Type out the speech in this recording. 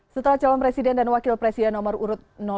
setelah calon presiden dan wakil presiden nomor urut dua